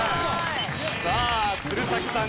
さあ鶴崎さんが。